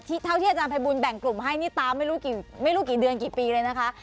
เท่าที่อาจารย์ภัยบูลแบ่งกลุ่มให้นี่ตามไม่รู้กี่เดือนกี่ปีเลยนะคะ